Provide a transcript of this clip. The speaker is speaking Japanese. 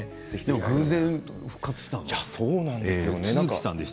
偶然、復活したんですね。